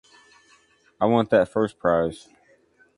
I want that first prize.